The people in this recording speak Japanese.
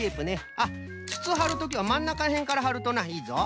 あっつつはるときはまんなかへんからはるとないいぞ。